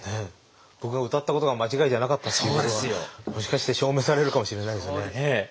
僕が歌ったことは間違いじゃなかったっていうことがもしかして証明されるかもしれないですね。